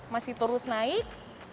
masih terus naik